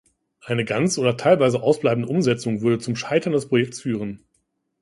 Eine ganz oder teilweise ausbleibende Umsetzung würde zum Scheitern des Projekts führen.